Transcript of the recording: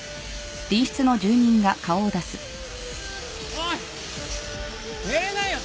おい寝れないよ！